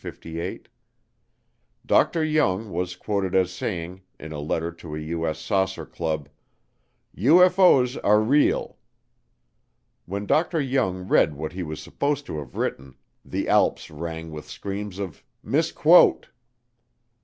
Dr. Jung was quoted as saying, in a letter to a U.S. saucer club, "UFO's are real." When Dr. Jung read what he was supposed to have written the Alps rang with screams of "misquote."